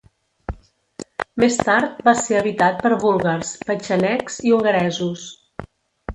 Més tard va ser habitat per búlgars, petxenegs i hongaresos.